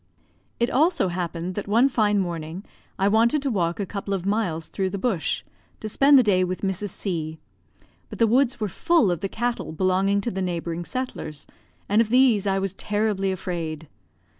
It so happened that one fine morning I wanted to walk a couple of miles through the bush, to spend the day with Mrs. C ; but the woods were full of the cattle belonging to the neighbouring settlers, and of these I was terribly afraid.